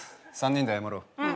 ３人で謝ろう。